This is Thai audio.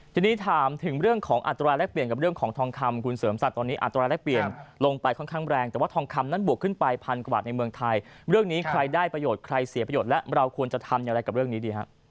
ทีนี้ถามถึงเรื่องของอัตราแรกเปลี่ยนกับเรื่องของทองคำคุณเสริมศักดิ์ตอนนี้อัตราแรกเปลี่ยนลงไปค่อนข้างแรงแต่ว่าทองคำนั้นบวกขึ้นไปพันกว่าบาทในเมืองไทยเรื่องนี้ใครได้ประโยชน์ใครเสียประโยชน์และเราควรจะทำอย่างไรกับเรื่องนี้ดีฮะ